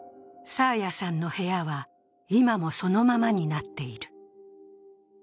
爽彩さんの部屋は、今もそのままになっている。